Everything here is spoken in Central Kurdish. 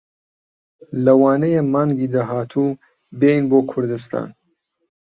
لەوانەیە مانگی داهاتوو بێین بۆ کوردستان.